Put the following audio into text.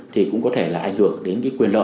thì cũng có thể là ảnh hưởng đến cái quyền lợi